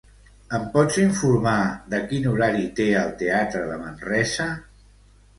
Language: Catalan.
Em pots informar de quin horari té el teatre de Manresa?